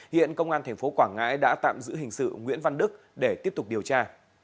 hiện công an tp quảng ngãi đã tạm giữ hình sự nguyễn văn đức để tiếp tục điều tra